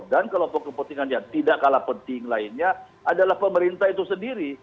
dan kelompok kepentingan yang tidak kalah penting lainnya adalah pemerintah itu sendiri